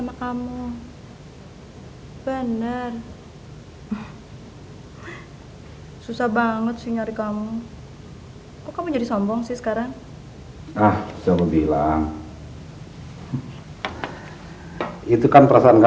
mas eman harus tetap milik saya